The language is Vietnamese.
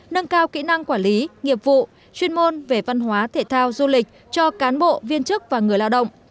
nâng cao kỹ năng quản lý nghiệp vụ chuyên môn về văn hóa thể thao du lịch cho cán bộ viên chức và người lao động